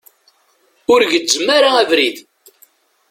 Ur gezzem ara abrid.